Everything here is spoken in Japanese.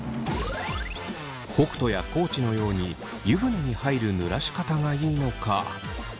北斗や地のように湯船に入るぬらし方がいいのか？